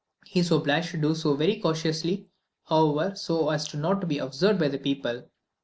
He is obliged to do this very cautiously, however, so as not to be observed by the people.